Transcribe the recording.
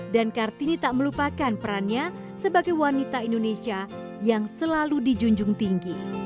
dan kartini tak melupakan perannya sebagai wanita indonesia yang selalu dijunjung tinggi